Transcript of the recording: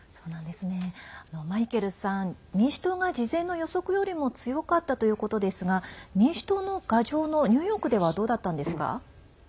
マイケルさん民主党が事前の予測よりも強かったということですが民主党の牙城のニューヨークではどうだったんですか？